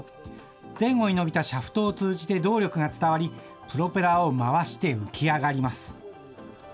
前後に伸びたシャフトを通じて動力が伝わり、プロペラを回して浮き上がります。